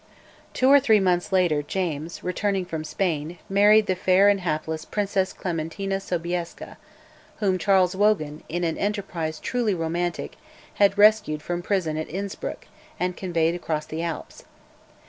Two or three months later, James, returning from Spain, married the fair and hapless Princess Clementina Sobieska, whom Charles Wogan, in an enterprise truly romantic, had rescued from prison at Innspruck and conveyed across the Alps.